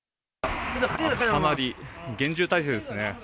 かなり厳重体制ですね。